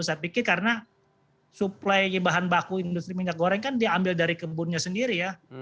saya pikir karena suplai bahan baku industri minyak goreng kan diambil dari kebunnya sendiri ya